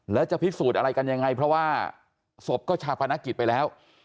แล้วจะพิสูจน์อะไรกันยังไงเพราะว่าศพก็ชาปนกิจไปแล้ว